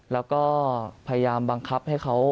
แล้วก็พยายามบังคับให้เขา